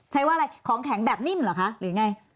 ว่าอะไรของแข็งแบบนิ่มเหรอคะหรือไง